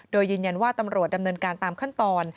โดยยืนยันว่าตำรวจดำเนินการตามขั้นตอน